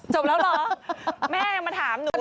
จบแล้วเหรอแม่ยังมาถามหนู